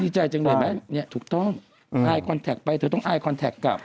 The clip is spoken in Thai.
ดีใจจังเลยไหมถูกต้องไอคอนแทคไปเธอต้องไอคอนแทคกลับ